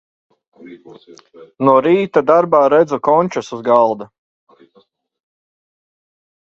No rīta darbā redzu končas uz galda.